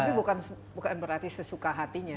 tapi bukan berarti sesuka hatinya